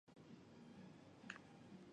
季姒又对公甫说公思展和申夜姑要挟她。